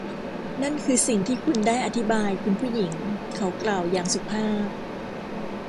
นั่นคือสิ่งที่คุณได้อธิบาย คุณผู้หญิง เขากล่าวอย่างสุภาพ